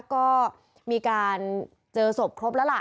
ก็มีการเจอศพครบแล้วล่ะ